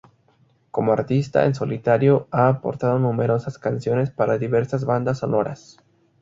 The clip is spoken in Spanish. Como artista en solitario, ha aportado numerosas canciones para diversas bandas sonoras.